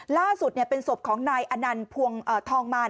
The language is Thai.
ล่าสุดเป็นศพของนายอนันต์ทองมาร